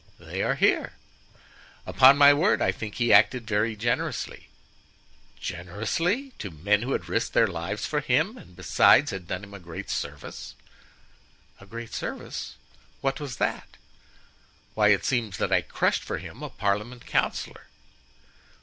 "They are here." "Upon my word, I think he acted very generously." "Generously! to men who had risked their lives for him, and besides had done him a great service?" "A great service—what was that?" "Why, it seems that I crushed for him a parliament councillor."